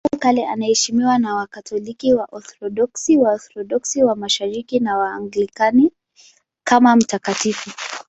Tangu kale anaheshimiwa na Wakatoliki, Waorthodoksi, Waorthodoksi wa Mashariki na Waanglikana kama mtakatifu.